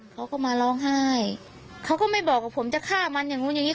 เขาก็มาร้องไห้เขาก็ไม่บอกว่าผมจะฆ่ามันอย่างนู้นอย่างนี้